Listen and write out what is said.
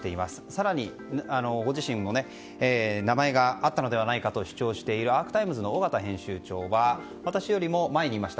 更に、ご自身も名前があったのではないかと主張している尾形編集長は私よりも前にいました。